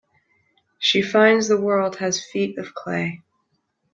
She finds the world has feet of clay.